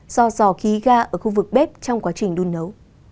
do giò khí ga ở khu vực bếp trong quá trình đun nấu